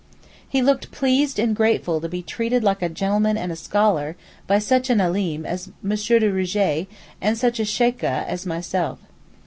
He looked pleased and grateful to be treated like a 'gentleman and scholar' by such an Alim as M. de Rougé and such a Sheykhah as myself.